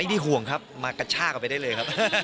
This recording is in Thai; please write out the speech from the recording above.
ไม่ได้ห่วงครับมากัชช่ากันไปได้เลยครับ